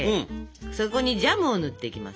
そこにジャムを塗っていきます。